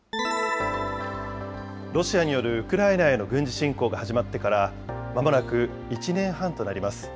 ロシアによるウクライナへの軍事侵攻が始まってからまもなく１年半となります。